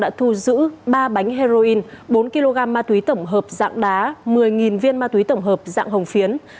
đã thu giữ ba bánh heroin bốn kg ma túy tổng hợp dạng đá một mươi viên ma túy tổng hợp dạng hồng phiến